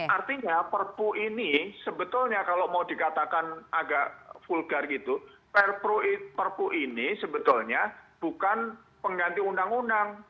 artinya perpu ini sebetulnya kalau mau dikatakan agak vulgar gitu perpu ini sebetulnya bukan pengganti undang undang